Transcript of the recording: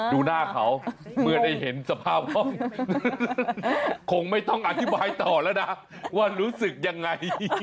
ดูหน้าเขาเมื่อได้เห็นสภาพห้องคงไม่ต้องอธิบายต่อแล้วนะว่ารู้สึกยังไง